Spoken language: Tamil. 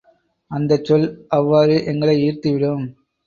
அந்த சொல் அவ்வாறு எங்களை ஈர்த்துவிடும்.